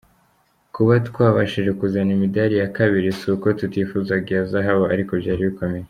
Kuba twabashije kuzana imidali ya kabiri si uko tutifuzaga iya zahabu ariko byari bikomeye.